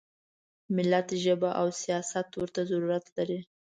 ملت ژبه او سیاست ورته ضرورت لري.